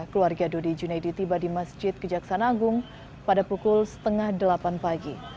keluarga dodi junaidi tiba di masjid kejaksaan agung pada pukul setengah delapan pagi